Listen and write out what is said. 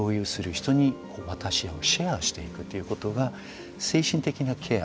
人に渡しあうシェアをしていくということが精神的なケア